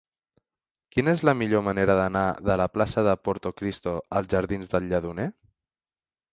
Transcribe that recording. Quina és la millor manera d'anar de la plaça de Portocristo als jardins del Lledoner?